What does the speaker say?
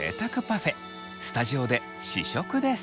スタジオで試食です！